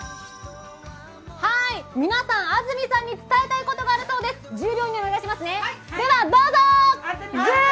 皆さん、安住さんに伝えたいことがあるそうです。